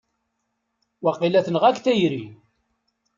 Waqila tenɣa-k tayri!